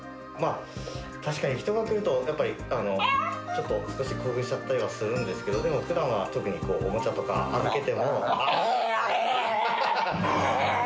確かに人が来るとやっぱり、ちょっと少し興奮しちゃったりはするんですけど、でもふだんは特にこう、おもちゃとか預けても。